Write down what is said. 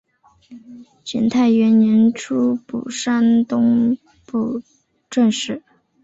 景泰元年出补山东布政使。